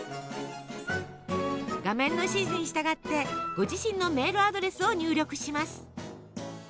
画面の指示に従ってご自身のメールアドレスを入力します。